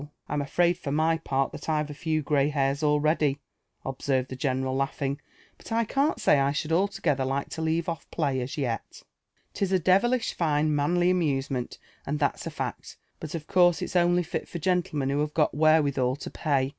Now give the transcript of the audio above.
*' I'm afraid, for my part, that I've a few grey hairs already," ob served the general, laughing; '*butl can't say I should altogether like to leave olT play as yet, — 'lis a devilish fine manly amusement, and that's a fact — but of course it's only fit for gentlemen who have got wherewithal to pay.